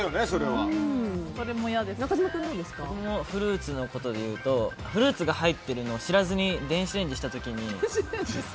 僕もフルーツでいうとフルーツが入ってるの知らずに電子レンジした時に。